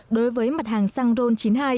đối với mặt hàng xăng dầu như hiện hành